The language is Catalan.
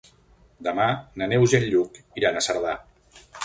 Demà na Neus i en Lluc iran a Cerdà.